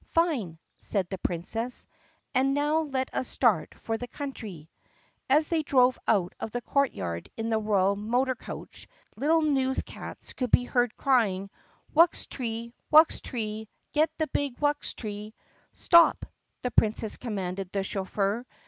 "Fine!" said the Princess. "And now let us start for the country." As they drove out of the courtyard in the royal motor coach little newscats could be heard crying: "Wuxtree! Wuxtree! Get the big wuxtree !" "Stop!" the Princess commanded the chauffeur.